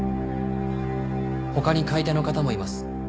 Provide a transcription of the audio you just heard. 他に買い手の方もいます。